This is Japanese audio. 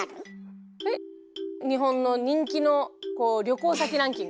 えっ日本の人気の旅行先ランキング。